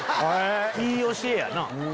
いい教えやな。